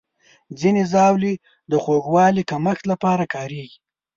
ځینې ژاولې د خوږوالي کمښت لپاره کارېږي.